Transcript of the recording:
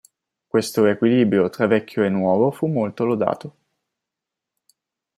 Questo equilibrio tra vecchio e nuovo fu molto lodato.